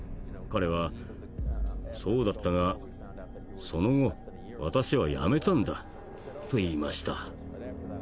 彼は「そうだったがその後私はやめたんだ」と言いました。